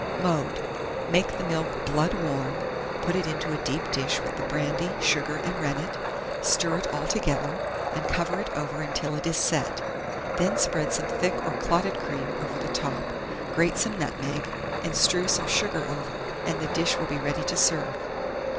Mode. Make the milk blood warm; put it into a deep dish with the brandy, sugar, and rennet; stir it altogether, and cover it over until it is set. Then spread some thick or clotted cream over the top, grate some nutmeg, and strew some sugar over, and the dish will be ready to serve.